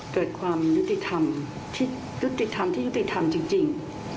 เกิดความยุติธรรมที่ยุติธรรมที่ยุติธรรมจริง